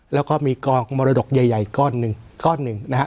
แล้วก็มีกองมรดกใหญ่ก้อนหนึ่ง